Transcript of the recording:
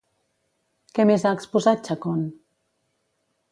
Què més ha exposat Chacón?